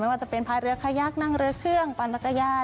ว่าจะเป็นพายเรือขยักนั่งเรือเครื่องปั่นจักรยาน